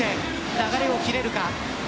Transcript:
流れを切れるか。